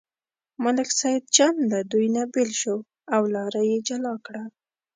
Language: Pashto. ملک سیدجان له دوی نه بېل شو او لاره یې جلا کړه.